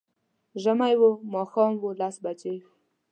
ژمی و، ماښام و، لس بجې وې